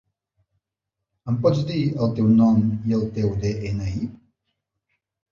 Em pots dir el teu nom i el teu de-ena-i?